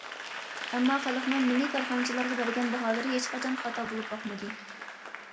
ئەمما خەلقنىڭ مىللىي كارخانىچىلارغا بەرگەن باھالىرى ھېچقاچان خاتا بولۇپ باقمىدى.